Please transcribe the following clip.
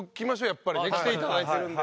やっぱりね来ていただいてるんで。